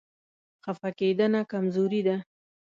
خفه کېدنه کمزوري ده.